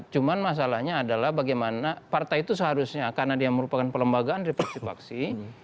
cuman masalahnya adalah bagaimana partai itu seharusnya karena dia merupakan pelembagaan dari fraksi paksi